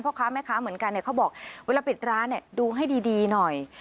พ่อค้าแม่ค้าเหมือนกันเขาบอกเวลาปิดร้านดูให้ดีหน่อย